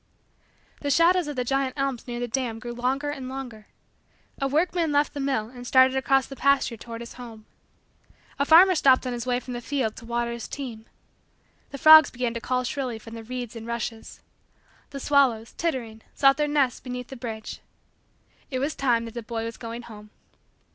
The shadows of the giant elms near the dam grew longer and longer. A workman left the mill and started across the pasture toward his home. A farmer stopped on his way from the field to water his team. The frogs began to call shrilly from the reeds and rushes. The swallows, twittering, sought their nests beneath the bridge. It was time that the boy was going home.